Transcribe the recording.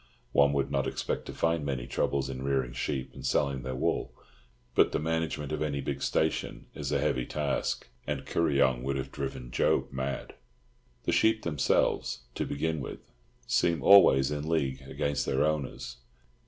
One would not expect to find many troubles in rearing sheep and selling their wool; but the management of any big station is a heavy task, and Kuryong would have driven Job mad. The sheep themselves, to begin with, seem always in league against their owners.